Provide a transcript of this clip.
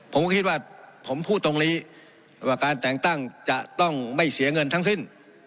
ผมก็คิดว่าผมพูดตรงนี้ว่าการแต่งตั้งจะต้องไม่เสียเงินทั้งสิ้น